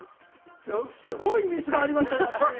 すごいミスがありましたね。